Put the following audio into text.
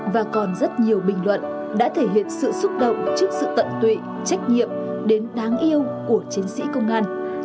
và còn rất nhiều bình luận đã thể hiện sự xúc động trước sự tận tụy trách nhiệm đến đáng yêu của chiến sĩ công an